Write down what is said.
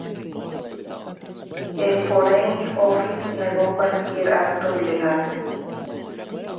El Foreign Office negó cualquier acto ilegal.